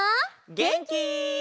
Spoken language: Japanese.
げんき？